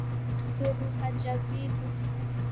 irumba ja vindo